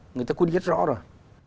người ta quyết định rất rõ rồi